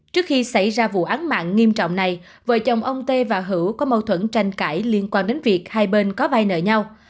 trước khi xảy ra vụ án mạng nghiêm trọng này vợ chồng ông tê và hữu có mâu thuẫn tranh cãi liên quan đến việc hai bên có vai nợ nhau